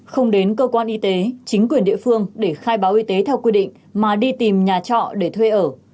không đến cơ quan y tế chính quyền địa phương để khai báo y tế theo quy định mà đi tìm nhà trọ để thuê ở